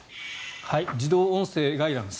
自動音声ガイダンス